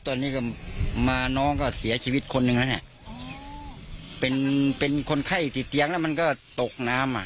ตอนนี้ก็มาน้องก็เสียชีวิตคนหนึ่งแล้วเนี่ยเป็นเป็นคนไข้ติดเตียงแล้วมันก็ตกน้ำอ่ะ